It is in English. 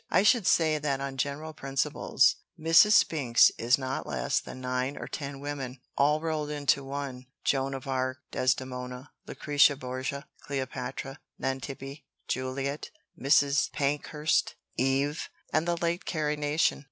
I should say that on general principles Mrs. Spinks is not less than nine or ten women, all rolled into one Joan of Arc, Desdemona, Lucrezia Borgia, Cleopatra, Nantippe, Juliet, Mrs. Pankhurst, Eve, and the late Carrie Nation.